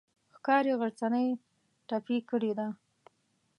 ښکاري غرڅنۍ ټپي کړې ده.